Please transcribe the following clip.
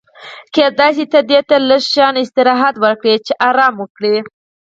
کېدای شي ته دې ته لږ شان استراحت ورکړې چې ارام وکړي.